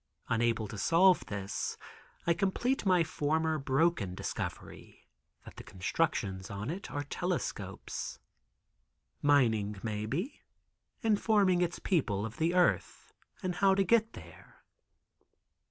Unable to solve this I complete my former broken discovery that the constructions on it are telescopes. Mining, maybe. Informing its people of the earth and how to get there.